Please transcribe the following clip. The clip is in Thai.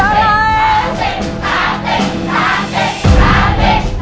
ไฟเฮ้ยได้ตอนเลย